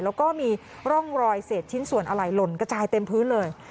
แล้วก็มีร่องรอยเศษชิ้นส่วนอะไรหล่นกระจายเต็มพื้นเลย